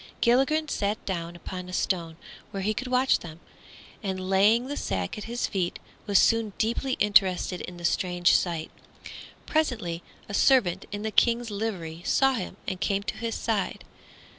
Gilligren sat down upon a stone where he could watch them, and laying the sack at his feet was soon deeply interested in the strange sight. Presently a servant in the King's livery saw him and came to his side.